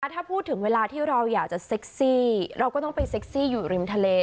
ถ้าพูดถึงเวลาที่เราอยากจะเซ็กซี่เราก็ต้องไปเซ็กซี่อยู่ริมทะเล